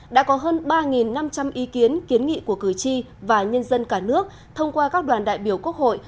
đã có hơn ba năm trăm linh ý kiến kiến nghị của cử tri và nhân dân cả nước thông qua các đoàn đại biểu quốc hội